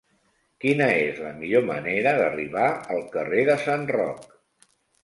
Quina és la millor manera d'arribar al carrer de Sant Roc?